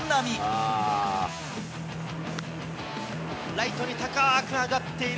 ライトに高く上がっている。